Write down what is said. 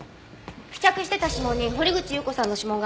付着していた指紋に堀口裕子さんの指紋がありました。